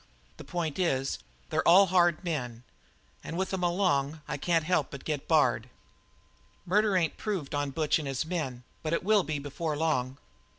The point is, they're all hard men, and with 'em along I can't help but get Bard." "Murder ain't proved on Butch and his men, but it will be before long."